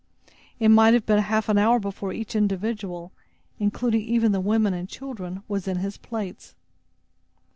It might have been half an hour before each individual, including even the women and children, was in his place.